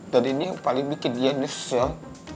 dan ini yang paling bikin yan nussel